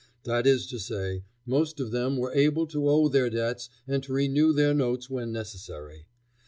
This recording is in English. That is to say, most of them were able to owe their debts and to renew their notes when necessary.